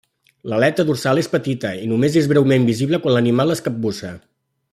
L'aleta dorsal és petita, i només és breument visible quan l'animal es capbussa.